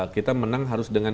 kita menang harus dengan